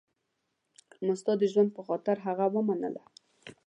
ما ستا د ژوند په خاطر هغه ومنله.